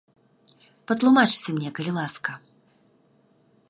Патлумачце мне, калі ласка.